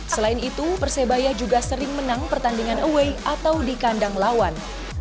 selain itu persebaya juga sering menang pertandingan away atau di kandang lawan